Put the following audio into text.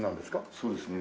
そうですね。